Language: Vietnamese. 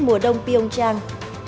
mùa đông pyeongchang